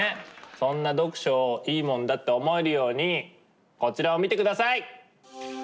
そんな読書をいいもんだって思えるようにこちらを見てください！